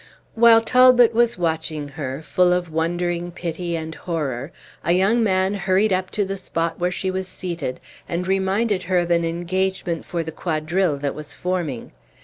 While Talbot was watching her, full of wondering pity and horror, a young man hurried up to the spot where she was seated, and reminded her of an engagement for the quadrille that was forming.